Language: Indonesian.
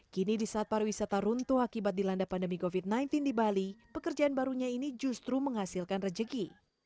kini di saat pariwisata runtuh akibat dilanda pandemi covid sembilan belas di bali pekerjaan barunya ini justru menghasilkan rejeki